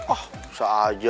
oh bisa aja